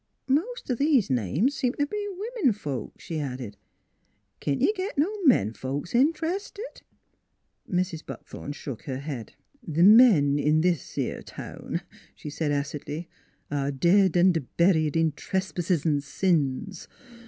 .. Most o' these names seem t' be women folks," she added. " Can't you git no men folks int'rested? " Mrs. Buckthorn shook her head. " The men in this 'ere town," she said acidly, " are dead 'n' buried in trespasses an' sins.